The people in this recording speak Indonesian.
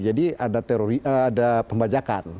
jadi ada pembajakan